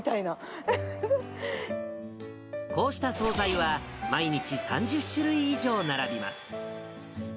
こうした総菜は、毎日３０種類以上並びます。